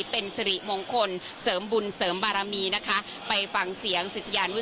เป็นสิริมงคลเสริมบุญเสริมบารมีนะคะไปฟังเสียงศิษยานุ